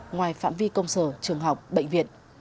ngoài phạm vi công sở trường học bệnh viện